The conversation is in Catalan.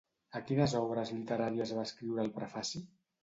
A quines obres literàries va escriure el prefaci?